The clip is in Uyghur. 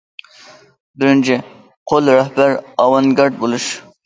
بىرىنچى قول رەھبەر ئاۋانگارت بولۇش.